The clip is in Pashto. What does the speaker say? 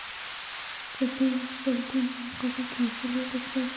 که دوی د خپل دین په مقابل کې مسوولیت احساسوي.